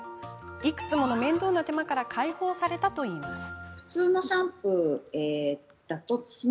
いくつもの面倒な手間から解放されたといいます。